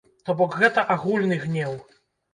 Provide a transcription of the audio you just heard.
То бок гэта агульны гнеў?